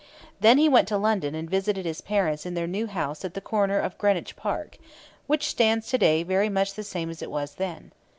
Then he went to London and visited his parents in their new house at the corner of Greenwich Park, which stands to day very much the same as it was then.